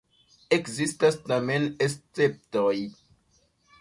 Ekzistas tamen esceptoj.